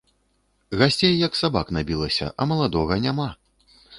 Гасцей як сабак набілася, а маладога няма.